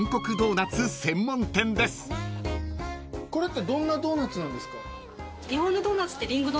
これってどんなドーナツなんですか？